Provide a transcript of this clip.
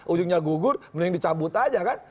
ujungnya gugur mending dicabut aja kan